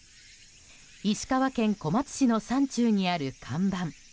石川県小松市の山中にある看板。